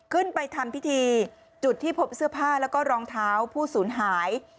ไปทำพิธีจุดที่พบเสื้อผ้าแล้วก็รองเท้าผู้สูญหาย